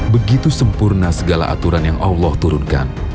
begitu sempurna segala aturan yang allah turunkan